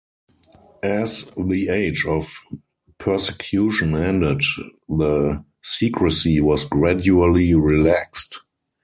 As the Age of Persecution ended, the secrecy was gradually relaxed.